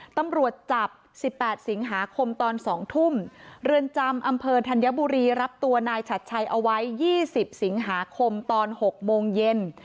ตำรวจจับ๑๘สิงหาคมตอน๒ทุ่มเรือนจำอำเภอธัญบุรีรับตัวนายฉัดชัยเอาไว้๒๐สิงหาคมตอน๖โมงเย็น